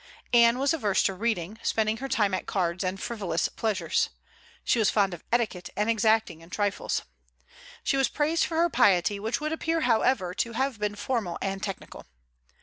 Anne was averse to reading, spending her time at cards and frivolous pleasures. She was fond of etiquette, and exacting in trifles. She was praised for her piety, which would appear however to have been formal and technical.